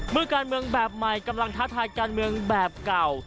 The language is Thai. เมื่อการเมืองแบบใหม่กำลังท้าทายการเมืองแบบเก่า